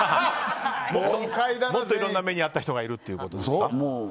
もっといろんな目に遭った人がいるということですか？